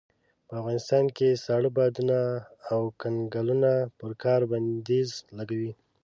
په افغانستان کې ساړه بادونه او کنګلونه پر کار بنديز لګوي.